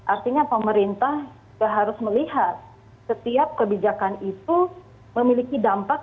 artinya pemerintah juga harus melihat setiap kebijakan itu memiliki dampak